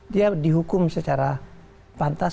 dia dihukum secara pantas